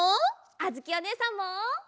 あづきおねえさんも！